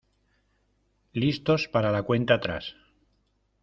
Listos para la cuenta atrás.